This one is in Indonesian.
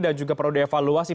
dan juga perlu dievaluasi